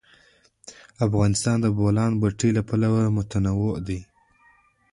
افغانستان د د بولان پټي له پلوه متنوع دی.